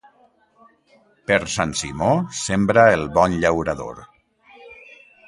Per Sant Simó sembra el bon llaurador.